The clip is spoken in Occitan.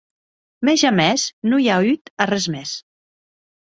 Mès jamès non i a auut arrés mès.